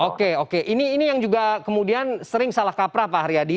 oke oke ini yang juga kemudian sering salah kaprah pak haryadi